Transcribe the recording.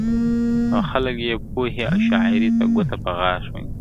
او خلک یې پوهي او شاعری ته ګوته په غاښ ونیسي !.